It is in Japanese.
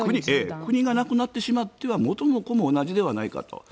国がなくなってしまっては元も子も同じではないかと。